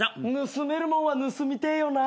盗めるもんは盗みてえよな。